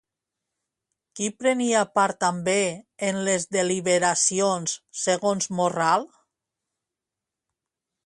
Qui prenia part també en les deliberacions segons Morral?